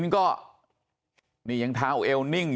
ลูกสาวหลายครั้งแล้วว่าไม่ได้คุยกับแจ๊บเลยลองฟังนะคะ